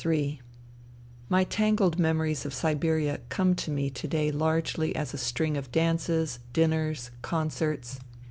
.. Ill My tangled memories of Siberia come to me to day largely as a string of dances, dinners, concerts.